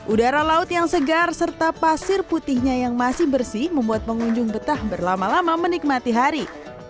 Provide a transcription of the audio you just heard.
udara laut yang segar serta pasir putihnya yang masih bersih membuat pengunjung betah berlama lama menikmati hari